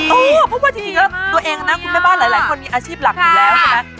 เพราะว่าจริงแล้วตัวเองนะคุณแม่บ้านหลายคนมีอาชีพหลักอยู่แล้วใช่ไหม